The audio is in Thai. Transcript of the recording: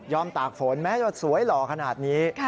ตากฝนแม้จะสวยหล่อขนาดนี้